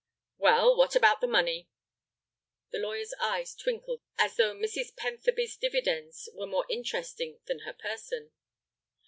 "Well, what about the money?" The lawyer's eyes twinkled as though Mrs. Pentherby's dividends were more interesting than her person.